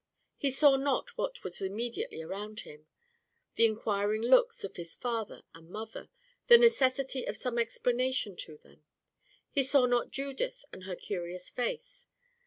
He saw not what was immediately around him the inquiring looks of his father and mother, the necessity of some explanation to them; he saw not Judith and her curious face.